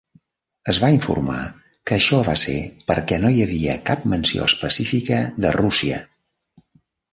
Es va informar que això va ser perquè no hi havia cap menció especifica de Rússia.